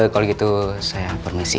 kalau begitu saya permisi